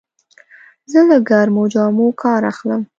زه له ګرمو جامو کار اخلم.